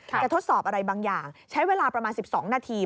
ทดสอบอะไรบางอย่างใช้เวลาประมาณ๑๒นาที